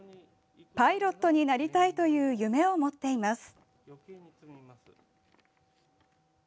パイロットになりたいという夢を持っています。